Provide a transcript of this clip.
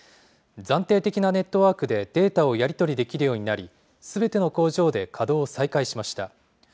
暫定的なネットワークでデータをやり取りできるようになり、すべての工場で稼働を再開しました。